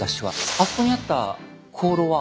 あそこにあった香炉は？